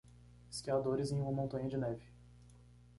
Esquiadores em uma montanha de neve.